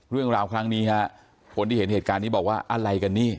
เรื่องราวครั้งนี้ฮะคนที่เห็นเหตุการณ์นี้บอกว่าอะไรกันนี่